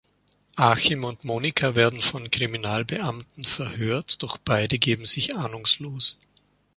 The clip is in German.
Achim und Monika werden von Kriminalbeamten verhört, doch beide geben sich ahnungslos.